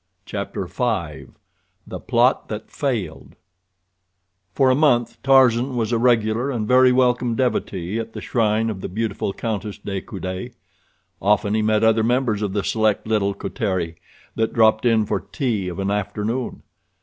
Chapter V The Plot That Failed For a month Tarzan was a regular and very welcome devotee at the shrine of the beautiful Countess de Coude. Often he met other members of the select little coterie that dropped in for tea of an afternoon.